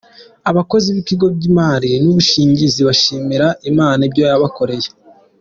Abakozi b’ibigo by’imari n’ubwishingizi barashimira Imana ibyo yabakoreye